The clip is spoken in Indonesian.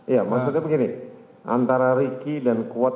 ya maksudnya begini antara ricky dan kuat